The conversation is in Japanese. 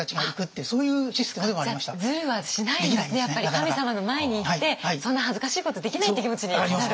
神様の前に行ってそんな恥ずかしいことできない！って気持ちになる。